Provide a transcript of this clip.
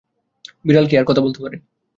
বিড়াল কি আর কথা বলতে পারে?